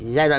giai đoạn đó